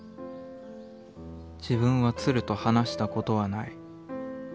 自分は鶴と話したことはない。